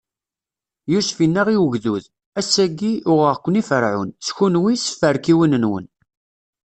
Yusef inna i ugdud: Ass-agi, uɣeɣ-ken i Ferɛun, s kenwi, s tferkiwin-nwen.